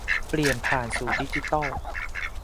เปลี่ยนผ่านสู่ดิจิทัล